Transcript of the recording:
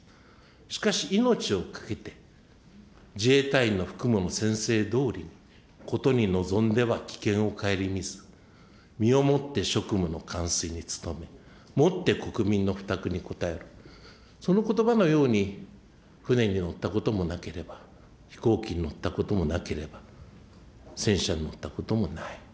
しかし、命をかけて、自衛隊員の服務の宣誓どおりことに臨んでは危険を顧みず、身をもって職務の完遂に努め、もって国民の負託に応える、そのことばのように、船に乗ったこともなければ、飛行機に乗ったこともなければ、戦車に乗ったこともない。